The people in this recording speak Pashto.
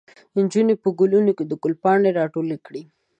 نجونې په ګلونو کې د ګل پاڼې راټولې کړې.